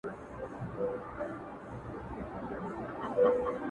ډاکټر هغه دئ چي پر ورغلي وي.